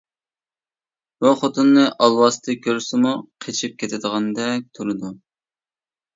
بۇ خوتۇننى ئالۋاستى كۆرسىمۇ قېچىپ كېتىدىغاندەك تۇرىدۇ.